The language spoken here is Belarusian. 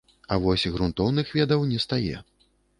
А вось грунтоўных ведаў не стае.